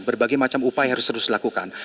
berbagai macam upaya harus terus dilakukan